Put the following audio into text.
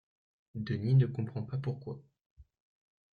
Denis ne comprend pas pourquoi.